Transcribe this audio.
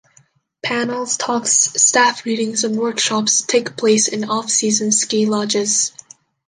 Panels, talks, staff readings and workshops take place in off-season ski lodges.